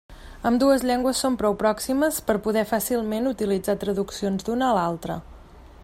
Ambdues llengües són prou pròximes per a poder, fàcilment, utilitzar traduccions d'una a l'altra.